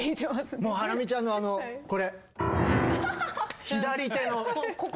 もうハラミちゃんのあのこれ。